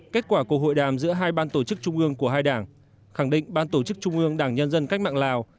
kết quả của hội đàm giữa hai ban tổ chức trung ương của hai đảng khẳng định ban tổ chức trung ương đảng nhân dân cách mạng lào